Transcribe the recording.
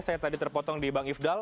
saya tadi terpotong di bang ifdal